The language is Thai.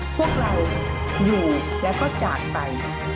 พวกเราอยู่แล้วก็จากไป